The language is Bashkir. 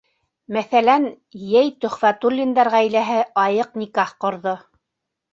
Мәҫәлән, йәй Төхвәтуллиндар ғаиләһе айыҡ никах ҡорҙо.